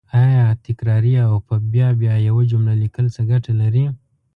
آیا تکراري او په بیا بیا یوه جمله لیکل څه ګټه لري